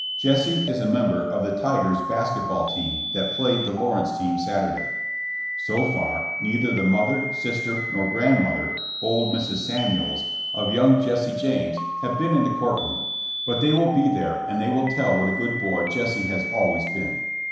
'' Jesse is a member of the Tigers' basket ball team that played the Lawrence team Saturday. So far, neither the mother, sister nor grand mother—old Mrs. Samuels— of young Jesse James 170 JKSSE JAMES. has been in the court room, but they will be there and they will tell what a good boy Jesse has always been.